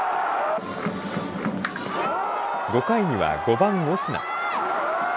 ５回には５番、オスナ。